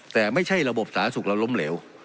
แต่ไม่ใช่ระบบสาธารณสุขเราล้มเหลว